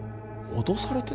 脅されて？